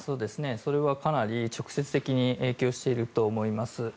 それはかなり直接的に影響していると思います。